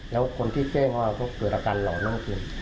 แล้วคนที่เจ้งว่าเค้าเกิดอาการเหล่านั่งเกิน